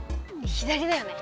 左だよね。